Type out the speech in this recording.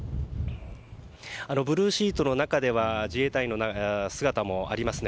ブルーシートの中には自衛隊の姿もあります。